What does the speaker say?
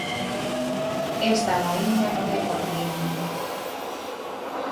Esta vaíña non é continua.